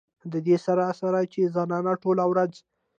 د دې سره سره چې زنانه ټوله ورځ